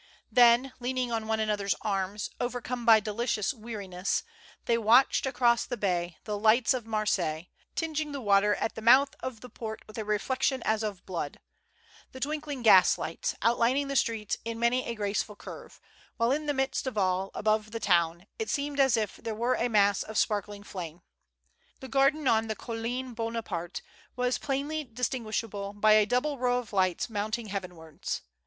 Then, leaning on one another's arms, overcome by delicious weariness, they watched, across the bay, the lights of Marseilles, tinging the water at the mouth of the port with a reflection as of blood; the twinkling gaslights, outlining the streets in many a graceful curve ; while in the midst of all, above the town, it seemed as if there were a mass of sparkling flame. The garden on the Colline Bonaparte was plainly distinguishable by a double row of lights mounting heavenwards.